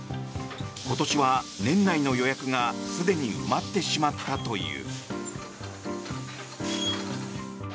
今年は年内の予約がすでに埋まってしまったという。